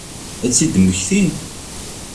Ad tt-id-mmektin?